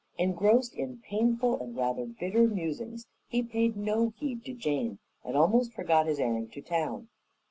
Engrossed in painful and rather bitter musings, he paid no heed to Jane and almost forgot his errand to town.